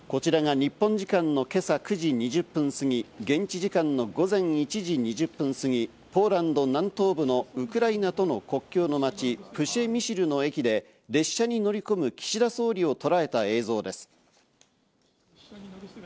日本時間の今朝９時２０分すぎ、現地時間の午前１時２０分すぎ、ポーランド南東部のウクライナとの国境の町・プシェミシルの駅で列車に乗り込む岸田総理をとらえた映像です。